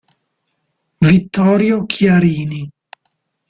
Vittorio Chiarini